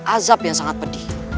azab yang sangat pedih